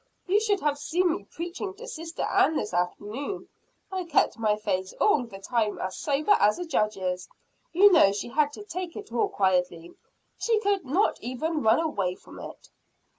You should have seen me preaching to sister Ann this afternoon. I kept my face all the time as sober as a judge's. You know she had to take it all quietly she could not even run away from it."